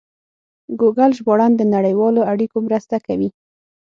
ګوګل ژباړن د نړیوالو اړیکو مرسته کوي.